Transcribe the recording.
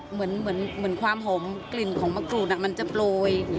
เหมือนความหอมกลิ่นของมะกรูดมันจะโปรย